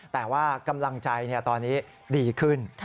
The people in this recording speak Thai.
แต่ว่ากำลังใจตอนนี้ดีขึ้น